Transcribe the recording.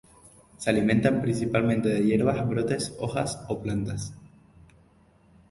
Se alimentan principalmente de hierbas, brotes, hojas o plantas.